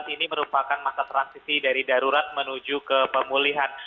ini merupakan masa transisi dari darurat menuju ke pemulihan